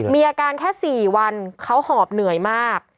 มีอาการแค่๔วันเขาหอบเหนื่อยมาก